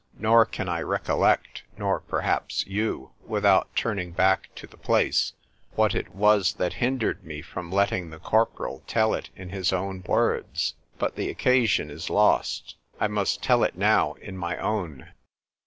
nor can I recollect (nor perhaps you) without turning back to the place, what it was that hindered me from letting the corporal tell it in his own words;—but the occasion is lost,—I must tell it now in my own.